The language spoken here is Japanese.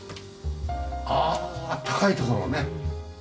ああ高い所をね。